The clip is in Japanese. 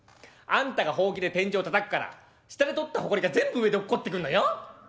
あんたがホウキで天井たたくから下で取ったほこりが全部上で落っこってくんのよ。